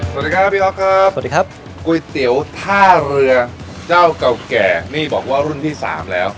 สวัสดีครับพี่อ๊อฟครับสวัสดีครับก๋วยเตี๋ยวท่าเรือเจ้าเก่าแก่นี่บอกว่ารุ่นที่สามแล้ว